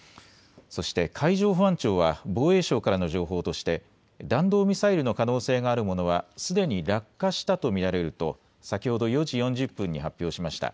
そして海上保安庁は防衛省からの情報として弾道ミサイルの可能性があるものはすでに落下したと見られると先ほど４時４０分に発表しました。